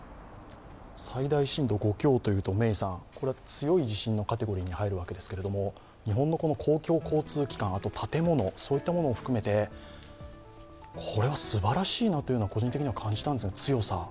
最大震度５強というと、強い地震のカテゴリーに入るわけですけれども、日本の公共交通機関、建物などを含めてすばらしいなと個人的には感じたんです。